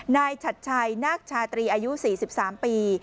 นายชัดชัยนักชาตรีอายุ๔๓ปี